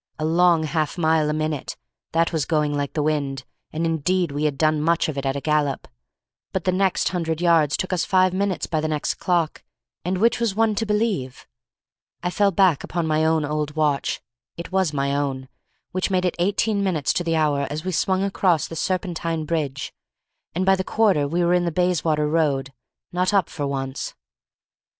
A long half mile a minute, that was going like the wind, and indeed we had done much of it at a gallop. But the next hundred yards took us five minutes by the next clock, and which was one to believe? I fell back upon my own old watch (it was my own), which made it eighteen minutes to the hour as we swung across the Serpentine bridge, and by the quarter we were in the Bayswater Road—not up for once.